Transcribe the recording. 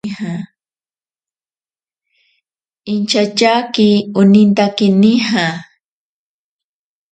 Inchatyake onintake nija.